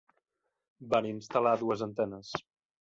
Van instal·lar dues antenes.